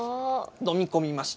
飲み込みました。